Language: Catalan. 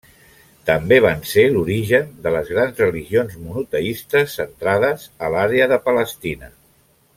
També van ser l'origen de les grans religions monoteistes, centrades a l'àrea de Palestina.